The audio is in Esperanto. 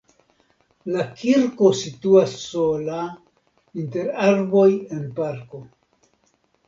La kirko situas sola inter arboj en parko.